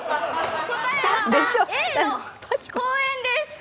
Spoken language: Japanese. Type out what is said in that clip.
答えはＡの公園です。